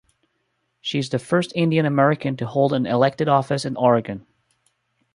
She is the first Indian American to hold an elected office in Oregon.